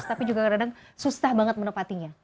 tapi juga kadang kadang susah banget menepatinya